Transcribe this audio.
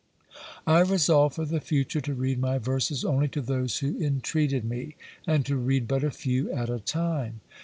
I resolved for the future to read my verses only to those who entreated me, and to read but a few at a time.